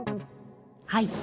はい。